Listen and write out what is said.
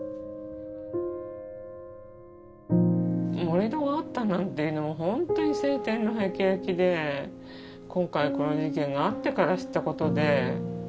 盛り土があったなんていうのは本当に青天のへきれきで今回この事件があってから知ったことで。